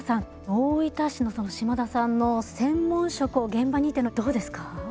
大分市の島田さんの専門職を現場にっていうのどうですか？